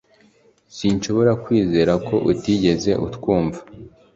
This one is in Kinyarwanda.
Sinshobora kwizera ko utigeze utwumva